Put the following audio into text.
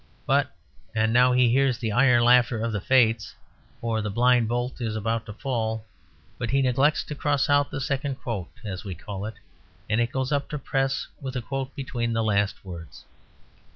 But and now he hears the iron laughter of the Fates, for the blind bolt is about to fall but he neglects to cross out the second "quote" (as we call it) and it goes up to press with a "quote" between the last words.